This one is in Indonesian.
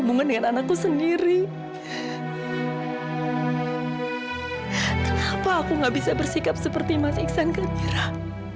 mas iksan gak bisa bersikap seperti mas iksan kan rah